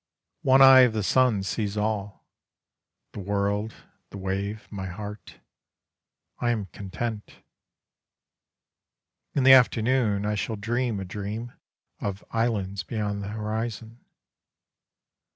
One eye of the sun sees all: The world, the wave, my heart. I am content. In the afternoon I shall dream a dream Of islands beyond the horizon.